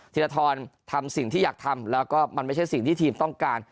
ธีรทรทำสิ่งที่อยากทำแล้วก็มันไม่ใช่สิ่งที่ทีมต้องการ